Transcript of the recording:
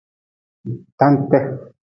Tante.